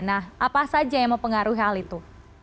nah apa saja yang mempengaruhi hal itu